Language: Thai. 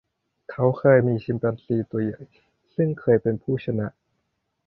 เขาเคยมีชิมแปนซีตัวใหญ่ซึ่งเคยเป็นผู้ชนะ